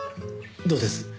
どうです？